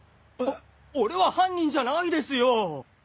お俺は犯人じゃないですよぉ！